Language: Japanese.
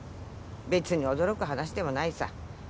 別に驚く話でもないさ。